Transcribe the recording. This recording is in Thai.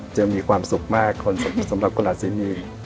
จะมีความสุขมากสำหรับคนราศินี